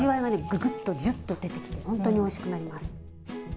ぐぐっとジュッと出てきて本当においしくなります。